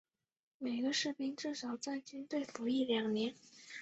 每个士兵至少要在军队服役两年。